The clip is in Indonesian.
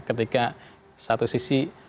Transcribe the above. ketika satu sisi